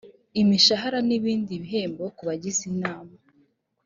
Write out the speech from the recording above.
imishahara n ibindi bihembo ku bagize inama